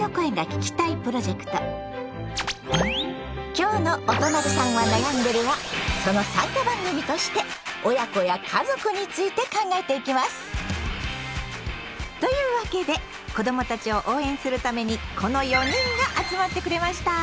今日の「おとなりさんはなやんでる。」はその参加番組として「親子」や「家族」について考えていきます！というわけで子どもたちを応援するためにこの４人が集まってくれました！